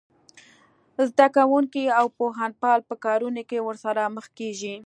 زده کوونکي او پوهنپال په کارونه کې ورسره مخ کېږي